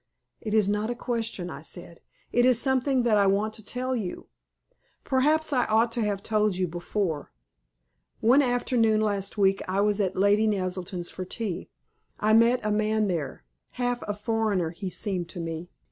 "It is not a question." I said. "It is something that I want to tell you. Perhaps I ought to have told you before. One afternoon last week I was at Lady Naselton's for tea. I met a man there half a foreigner he seemed to me.